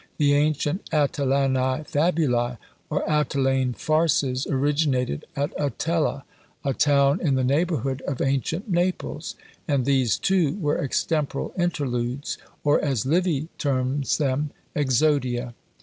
The ancient AtellanÃḊ FabulÃḊ, or Atellane Farces, originated at Atella, a town in the neighbourhood of ancient Naples; and these, too, were extemporal Interludes, or, as Livy terms them, Exodia.